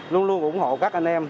luôn luôn ủng hộ các anh em